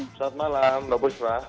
selamat malam mbak busma